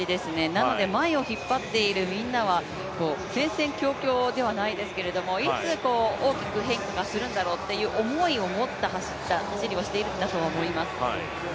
なので、前を引っ張っているみんなは戦々恐々ではないですけれども、いつ大きく変化するんだろうという思いを持った走りをしているんだと思います。